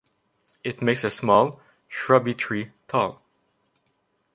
It makes a small, shrubby tree tall.